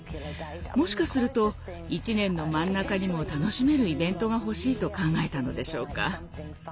もしかすると１年の真ん中にも楽しめるイベントが欲しいと考えたのでしょうか。